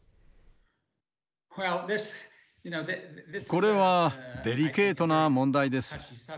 これはデリケートな問題です。